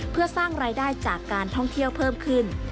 เพื่อสร้างรายได้จากการท่องเที่ยวเพิ่มขึ้น